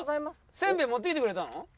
せんべい持ってきてくれたの？